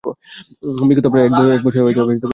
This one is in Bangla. বিগত প্রায় এক বৎসর আমি যেন একটা ঝোঁকে চলেছি।